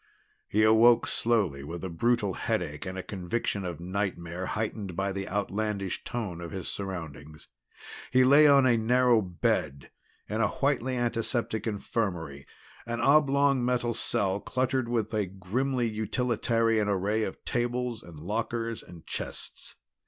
He awoke slowly with a brutal headache and a conviction of nightmare heightened by the outlandish tone of his surroundings. He lay on a narrow bed in a whitely antiseptic infirmary, an oblong metal cell cluttered with a grimly utilitarian array of tables and lockers and chests.